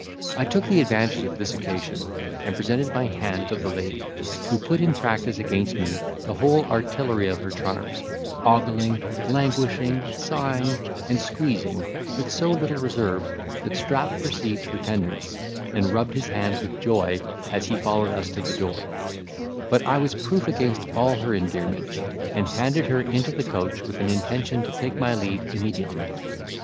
I took the advantage of this occasion, and presented my hand to the lady, who put in practice against me the whole artillery of her charms, ogling, languishing, sighing, and squeezing, with so little reserve that Strap perceived her tenderness, and rubbed his hands with joy as he followed us to the door; but I was proof against all her endearments, and handed her into the coach with an intention to take my leave immediately.